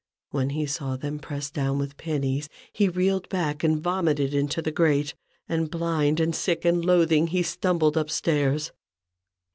When he saw them pressed down with pennies, he reeled back and vomited into the grate. And blind, and sick, and loathing, he stumbled up stairs.